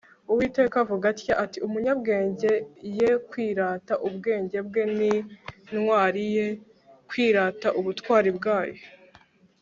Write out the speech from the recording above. uwiteka avuga atya ati 'umunyabenge ye kwirata ubwenge bwe, n'intwari ye kwirata ubutwari bwayo